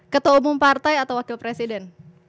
ketua umum partai atau wakil presiden